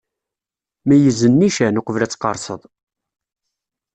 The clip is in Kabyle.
Meyyez nnican, uqbel ad tqerseḍ!